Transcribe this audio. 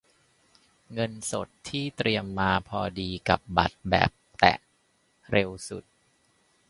เงินสดที่เตรียมมาพอดีกับบัตรแบบแตะ เร็วสุด